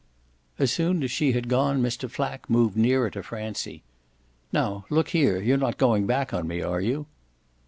As soon as she had gone Mr. Flack moved nearer to Francie. "Now look here, you're not going back on me, are you?"